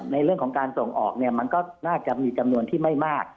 ในเรื่องของการส่งออกมันก็ล่าก็มีจำนวนที่ไม่งาบ